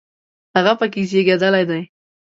هغه په کې زیږېدلی دی.